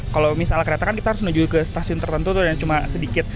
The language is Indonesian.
kalau misalnya kereta kan kita harus menuju ke stasiun tertentu dan cuma sedikit